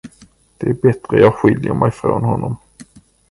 Det är bättre att jag skiljer mig från honom.